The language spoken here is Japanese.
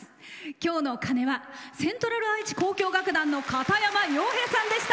今日の鐘はセントラル愛知交響楽団の片山陽平さんでした。